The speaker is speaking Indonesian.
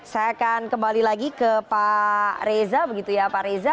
saya akan kembali lagi ke pak reza begitu ya pak reza